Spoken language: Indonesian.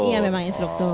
iya memang instruktor